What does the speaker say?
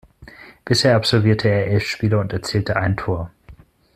Bisher absolvierte er elf Spiele und erzielte ein Tor.